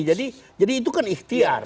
jadi itu kan ikhtiar